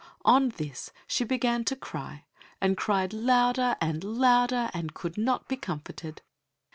On this she began to cry, and cried louder and louder, and could not be comforted.